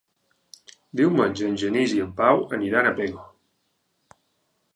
Diumenge en Genís i en Pau aniran a Pego.